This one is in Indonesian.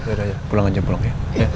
udah udah pulang aja pulang ya